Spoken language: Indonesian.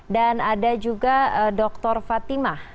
dan ada juga dr fatimah